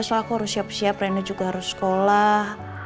soal aku harus siap siap reina juga harus sekolah